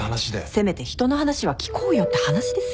せめて人の話は聞こうよって話ですよ。